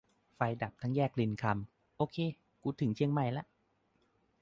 "ไฟแดงดับทั้งแยกรินคำ โอเค กูถึงเชียงใหม่ละ"